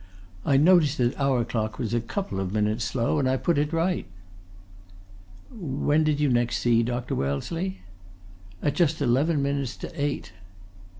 I noticed that our clock was a couple of minutes slow, and I put it right." "When did you next see Dr. Wellesley?" "At just eleven minutes to eight."